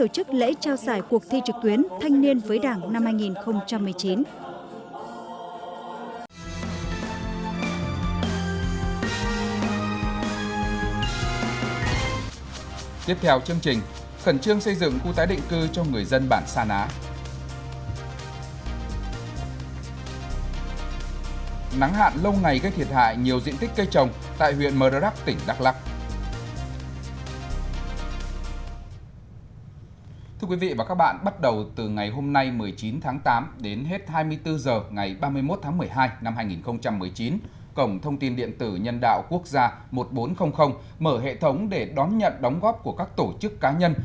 cổng thông tin điện tử nhân đạo quốc gia một nghìn bốn trăm linh mở hệ thống để đón nhận đóng góp của các tổ chức cá nhân